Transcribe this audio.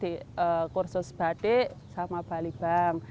di kursus batik sama balibang